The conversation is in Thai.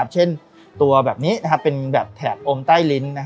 เช่นตัวแบบนี้เป็นแบบแถบอมใต้ลิ้น